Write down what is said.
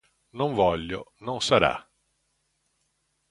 Non voglio; non sarà.